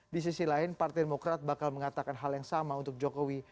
di sisi lain partai demokrat bakal mengatakan hal yang sama untuk jokowi